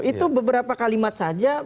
itu beberapa kalimat saja